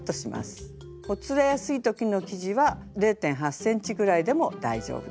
ほつれやすい時の生地は０．８ｃｍぐらいでも大丈夫です。